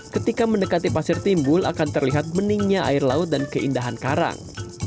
ketika mendekati pasir timbul akan terlihat meningnya air laut dan keindahan karang